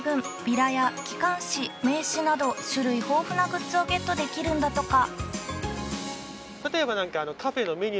ビラや機関誌名刺など種類豊富なグッズをゲットできるんだとか。